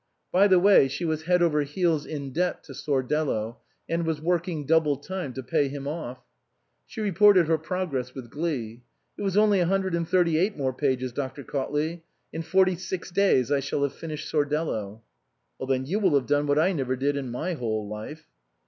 By the way, she was head over heels in debt to Sordello, and was working double time to pay him off. She reported her progress with glee. It was " only a hundred and thirty eight more pages, Dr. Cautley. In forty six days I shall have finished Sordello." " Then you will have done what I never did in my whole life."